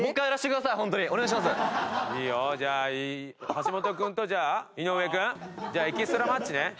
じゃあ橋本君とじゃあ井上君？じゃあエキストラマッチね。